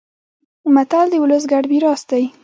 متل د ولس ګډ میراث دی